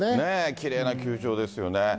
きれいな球場ですよね。